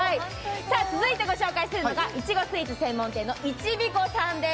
続いてご紹介するのがいちごスイーツ専門店のＩＣＨＩＢＩＫＯさんです。